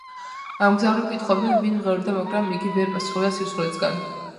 მგზავრები კითხულობდნენ, ვინ მღეროდა, მაგრამ იგი ვერ პასუხობდა სირცხვილისგან.